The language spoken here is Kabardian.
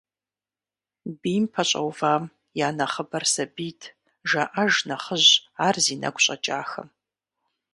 Бийм пэщӏэувам я нэхъыбэр сабийт, – жаӏэж нэхъыжь ар зи нэгу щӏэкӏахэм.